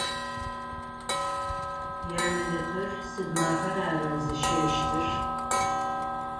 Ермэлыкъыр сыд мафэр ара зыщыӏэщтыр?